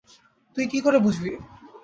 তুই কী করে বুঝবি?